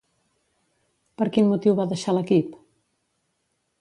Per quin motiu va deixar l'equip?